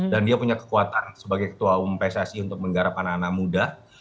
dan dia punya kekuatan sebagai ketua umum pssi untuk menggarap anak anak muda